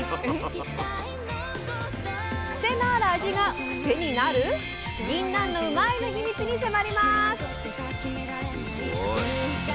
クセのある味がクセになる⁉ぎんなんのうまいッ！の秘密に迫ります。